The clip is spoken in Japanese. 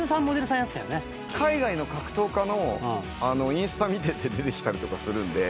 海外の格闘家のインスタ見てて出てきたりとかするんで。